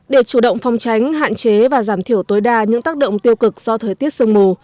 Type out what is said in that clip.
để chủ động phong tránh hạn chế và giảm thiểu tối đa những tác động tiêu cực do thời tiết sương mù